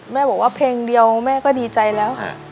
แม่บอกว่าเพลงเดียวแม่ก็ดีใจแล้ว